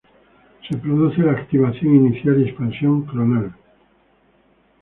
Se produce la activación inicial y expansión clonal.